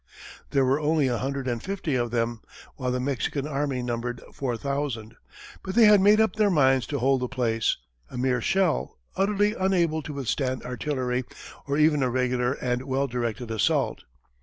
There were only a hundred and fifty of them, while the Mexican army numbered four thousand; but they had made up their minds to hold the place, a mere shell, utterly unable to withstand artillery, or even a regular and well directed assault.